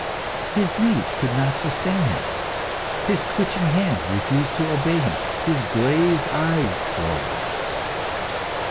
His knees could not sustain him; his twitching hands refused to obey him; his glazed eyes closed.